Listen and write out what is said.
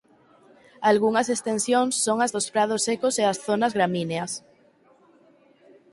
Algunhas extensións son as dos prados secos e as zonas de gramíneas.